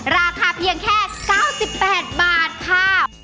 ราคาเพียงแค่๙๘บาทค่ะ